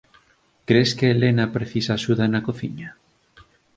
Cres que Helena precisa axuda na cociña?